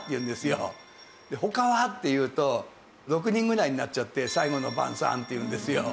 で他は？って言うと６人ぐらいになっちゃって『最後の晩餐』って言うんですよ。